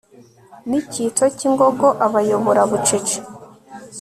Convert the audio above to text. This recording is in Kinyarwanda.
Nicyitso cyingogo abayobora bucece